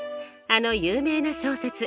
あの有名な小説